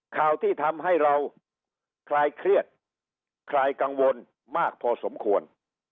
ข่าวที่ทำให้เราคลายเครียดคลายกังวลมากพอสมควร